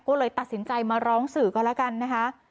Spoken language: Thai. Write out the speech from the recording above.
ก็เลยตัดสินใจมาร้องสื่อก็แล้วกันนะคะ